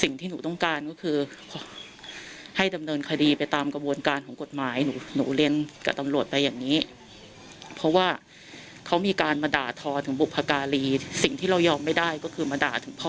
สิ่งที่เรายอมไม่ได้ก็คือมาด่าถึงพ่อถึงแม่เราเนี่ยค่ะ